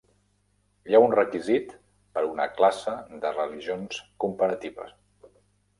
Hi ha un requisit per una classe de religions comparativa.